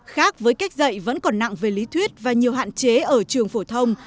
khác với cách dạy vẫn còn nặng về lý thuyết và nhiều hạn chế ở trường phổ thông